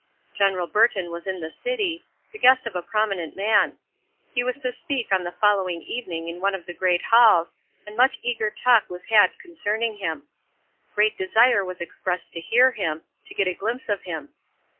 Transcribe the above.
General Burton was in the city, the guest of a prominent man; he was to speak on the following evening in one of the great halls, and much eager talk was had concerning him; great desire was expressed to hear him, to get a glimpse of him.